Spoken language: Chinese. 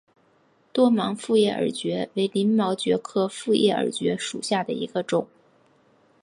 多芒复叶耳蕨为鳞毛蕨科复叶耳蕨属下的一个种。